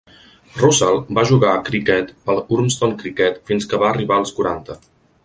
Russell va jugar a criquet pel Urmston Cricket fins que va arribar als quaranta.